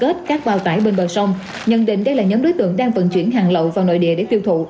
tết các bao tải bên bờ sông nhận định đây là nhóm đối tượng đang vận chuyển hàng lậu vào nội địa để tiêu thụ